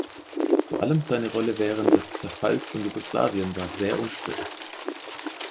Vor allem seine Rolle während des Zerfalls von Jugoslawien war sehr umstritten.